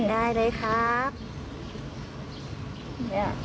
ได้เลยครับ